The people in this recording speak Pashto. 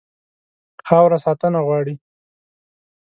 خاوره ساتنه غواړي.